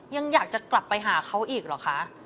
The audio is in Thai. ยังอยากจะกลับไปหาเขาอีกเหรอคะ